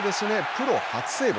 プロ初セーブ。